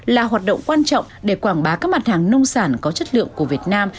là hoạt động quan trọng để quảng bá các mặt hàng nông sản có chất lượng của việt nam